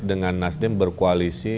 dengan nasdem berkoalisi